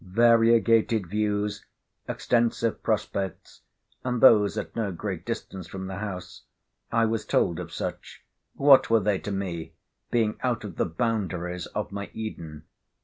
Variegated views, extensive prospects—and those at no great distance from the house—I was told of such—what were they to me, being out of the boundaries of my Eden?